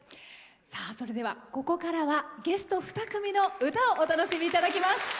それでは、ここからはゲスト二組のお楽しみいただきます。